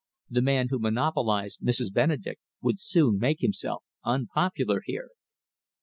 "The man who monopolised Mrs. Benedek would soon make himself unpopular here."